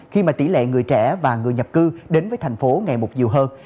khi tỷ lệ người trẻ và người nhập cư đến với tp hcm ngày một nhiều hơn